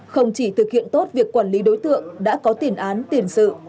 không chỉ thực hiện tốt việc quản lý đối tượng đã có tiền án tiền sự